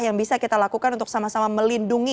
yang bisa kita lakukan untuk sama sama melindungi